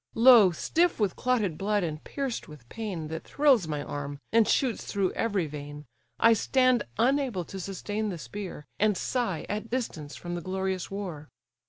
Lo! stiff with clotted blood, and pierced with pain, That thrills my arm, and shoots through every vein, I stand unable to sustain the spear, And sigh, at distance from the glorious war.